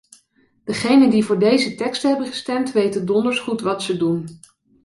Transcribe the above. Degenen die voor deze teksten hebben gestemd, weten donders goed wat ze doen.